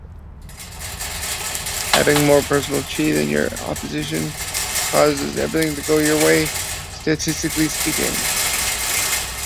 Having more personal Chi than your opposition causes "everything goes your way", statistically speaking.